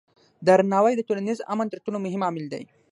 درناوی د ټولنیز امن تر ټولو مهم عامل دی.